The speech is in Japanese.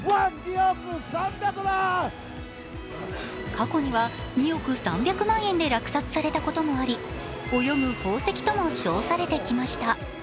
過去には２億３００万円で落札されたこともあり「泳ぐ宝石」とも称されてきました。